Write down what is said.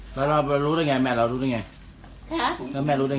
สวัสดีทุกคน